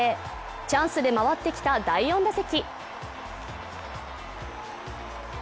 チャンスで回ってきた第４打席。